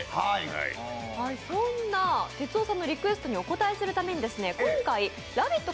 そんな哲夫さんのリクエストにお応えして、今回、「ラヴィット！」